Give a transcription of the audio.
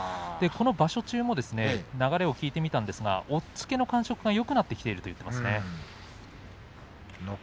場所中の流れを聞いてみたんですが押っつけの感触がよくなってきたという話をしていました。